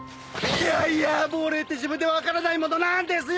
いやいや亡霊って自分では分からないものなんですよ！